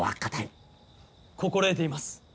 心得ています。